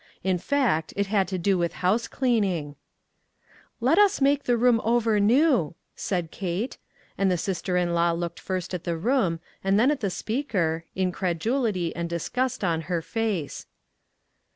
In fact, it had to do with housecleaning ! "Let us make the room over new," said Kate ; and the sister in law looked first at the room and then at the speaker, incredu lity and disgust on her face.